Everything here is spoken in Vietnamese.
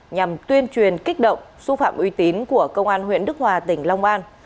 nhằm tuyên truyền kích động xúc phạm uy tín của công an huyện đức hòa tỉnh long an